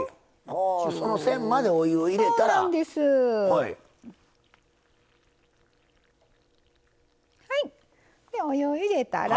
その線までお湯を入れたら。